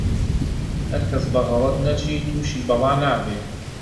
هەرکەس بە غەڵەت نەچی، تووشی بەڵا نابێ